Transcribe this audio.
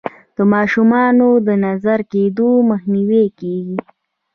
د ماشومانو د نظر کیدو مخنیوی کیږي.